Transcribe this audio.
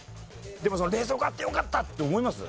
でも冷蔵庫あってよかった！って思います？